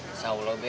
insya allah be